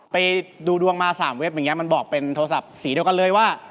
ไปดูดวงมา๓เว็บอย่างนี้มันบอกเป็นโทรศัพท์สีเดียวกันเลยว่า